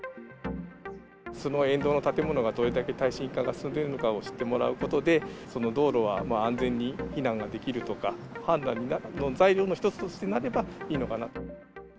その沿道の建物が、どれだけ耐震化が進んでいるのかを知ってもらうことで、その道路は安全に避難ができるとか、判断の材料の一つとしてなればいいのかなと。